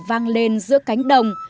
vang lên giữa cánh đồng